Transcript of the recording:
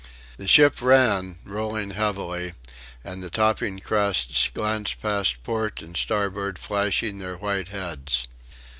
The ship ran, rolling heavily, and the topping crests glanced past port and starboard flashing their white heads.